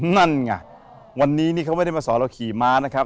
นั่นไงวันนี้นี่เขาไม่ได้มาสอนเราขี่ม้านะครับ